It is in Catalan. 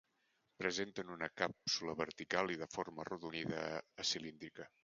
Presenten una càpsula vertical i de forma arrodonida a cilíndrica.